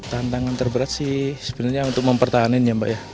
tantangan terberat sih sebenarnya untuk mempertahankannya mbak ya